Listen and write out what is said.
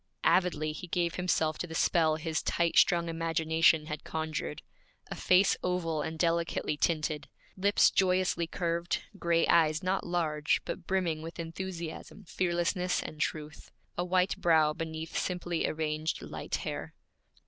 Avidly he gave himself to the spell his tight strung imagination had conjured a face oval and delicately tinted; lips joyously curved; gray eyes not large, but brimming with enthusiasm, fearlessness, and truth; a white brow beneath simply arranged light hair.